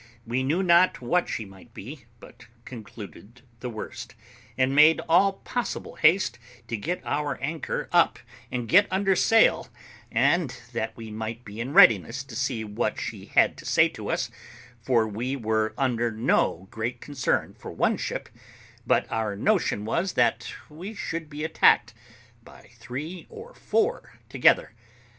We knew not what she might be, but concluded the worst, and made all possible haste to get our anchor up, and get under sail, that we might be in a readiness to see what she had to say to us, for we were under no great concern for one ship, but our notion was, that we should be attacked by three or four together.